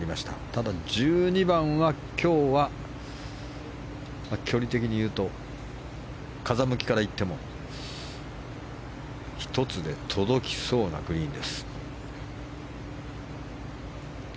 ただ１２番は今日は距離的にいうと風向きから言っても１つで届きそうなグリーンです。